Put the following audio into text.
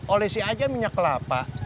olesi aja minyak kelapa